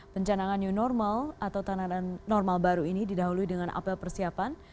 pencanangan new normal atau tanaman normal baru ini didahului dengan apel persiapan